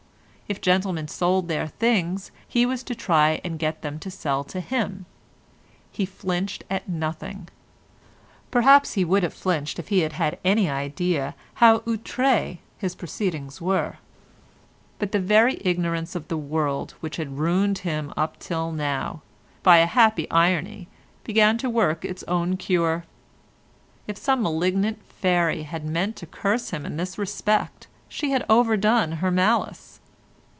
If gentlemen sold their things, he was to try and get them to sell to him. He flinched at nothing; perhaps he would have flinched if he had had any idea how outré his proceedings were, but the very ignorance of the world which had ruined him up till now, by a happy irony began to work its own cure. If some malignant fairy had meant to curse him in this respect, she had overdone her malice.